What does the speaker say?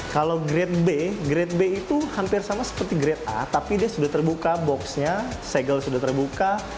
kalau grade b grade b itu hampir sama seperti grade a tapi dia sudah terbuka boxnya segel sudah terbuka